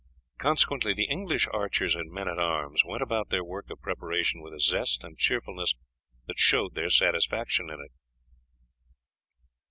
Consequently the English archers and men at arms went about their work of preparation with a zest and cheerfulness that showed their satisfaction in it.